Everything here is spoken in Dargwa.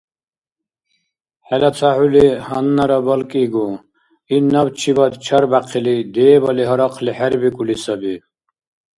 ХӀела ца хӀули гьаннара балкӀигу. Ил набчибад чарбяхъили, дебали гьарахъли хӀербикӀули саби.